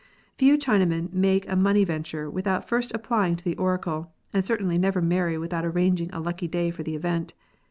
Few Chinamen make a money venture without first applying to the oracle, and certainly never marry without arranging a lucky day for the event.